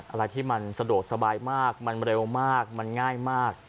อะไรที่มันสะดวกสบายมากมันเร็วมากมันง่ายมาก